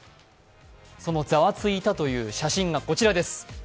そのざわついたという写真がこちらです。